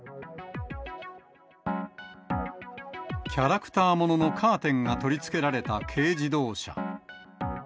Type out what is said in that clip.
キャラクターもののカーテンが取り付けられた軽自動車。